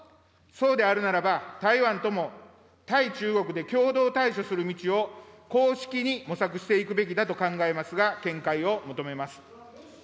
そうであるならば、台湾とも対中国で共同対処する道を公式に模索していくべきだと考えますが、見解を求めます。